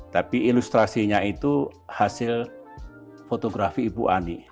tapi ilustrasinya itu hasil fotografi ibu ani